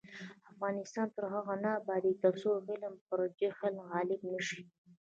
افغانستان تر هغو نه ابادیږي، ترڅو علم پر جهل غالب نشي.